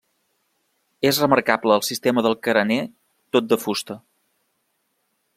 És remarcable el sistema del carener tot de fusta.